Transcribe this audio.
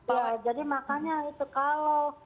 ya jadi makanya itu kalau